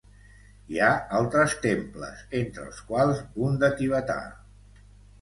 Hi ha altres temples entre els quals un de tibetà.